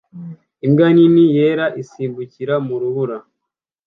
imbwa nini yera isimbukira mu rubura